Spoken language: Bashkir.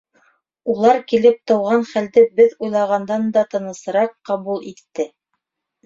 Улар килеп тыуған хәлде беҙ уйлағандан да тынысыраҡ ҡабул итте.